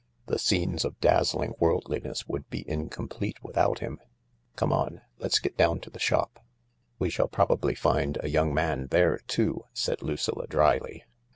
The scenes of dazzling worldliness would be incomplete without him. Come on, let's get down to the shop." " We shall probably find a young man there too," said Lucilla dryly.